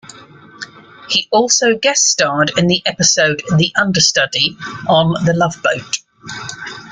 He also guest-starred in the episode "The Understudy" on "The Love Boat".